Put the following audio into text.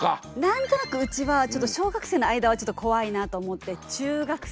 何となくうちはちょっと小学生の間はちょっと怖いなと思って中学生かなと。